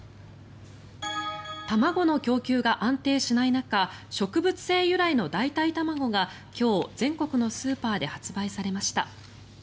卵の供給が安定しない中植物性由来の代替卵が今日、全国のスーパーで発売されました。